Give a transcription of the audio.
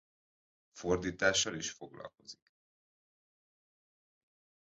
Fordítással is foglalkozik.